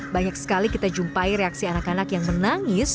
banyak sekali kita jumpai reaksi anak anak yang menangis